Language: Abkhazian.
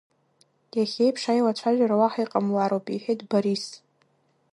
Иахьеиԥш аилацәажәара уаҳа иҟамлароуп, — иҳәеит Борис.